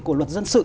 của luật dân sự